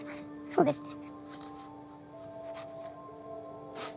そうですね。